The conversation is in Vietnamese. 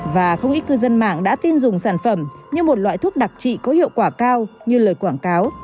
và không ít cư dân mạng đã tin dùng sản phẩm như một loại thuốc đặc trị có hiệu quả cao như lời quảng cáo